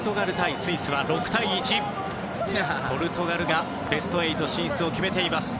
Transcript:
スイスは６対１、ポルトガルがベスト８進出を決めています。